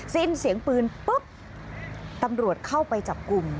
สิ้นเสียงปืนปุ๊บตำรวจเข้าไปจับกลุ่ม